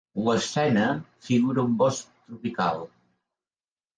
L'escena figura un bosc tropical.